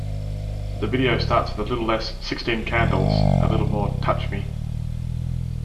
The video starts with "A Little Less "Sixteen Candles", a Little More "Touch Me"".